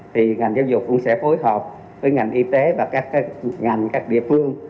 thì ngành giáo dục cũng sẽ phối hợp với ngành y tế và các ngành các địa phương